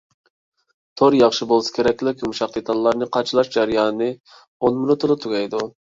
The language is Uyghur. تور ياخشى بولسا كېرەكلىك يۇمشاق دېتاللارنى قاچىلاش جەريانى ئون مىنۇتتىلا تۈگەيدۇ.